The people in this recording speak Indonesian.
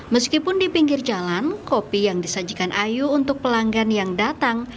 meskipun di pinggir jalan kopi yang disajikan ayu untuk pelanggan yang datang